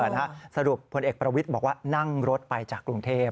สรุปพลเอกประวิทย์บอกว่านั่งรถไปจากกรุงเทพ